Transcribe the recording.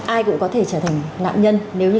ai cũng có thể trở thành nạn nhân nếu như